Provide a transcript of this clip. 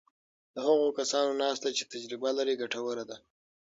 د هغو کسانو ناسته چې تجربه لري ګټوره ده.